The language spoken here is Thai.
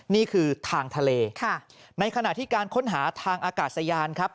นี่คือทางทะเลในขณะที่การค้นหาทางอากาศยานครับ